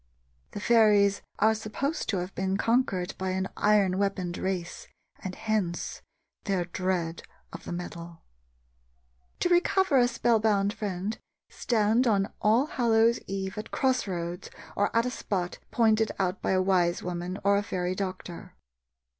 The fairies are supposed to have been conquered by an iron weaponed race, and hence their dread of the metal. To recover a spell bound friend, stand on All Hallows' eve at cross roads or at a spot pointed out by a wise woman or fairy doctor.